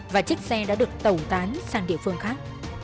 và chiếc xe đã được tẩu tán sang địa phương khác